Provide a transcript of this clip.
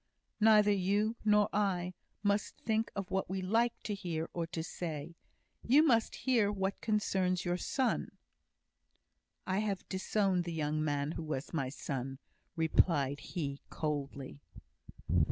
"Neither you, nor I, must think of what we like to hear or to say. You must hear what concerns your son." "I have disowned the young man who was my son," replied he, coldly.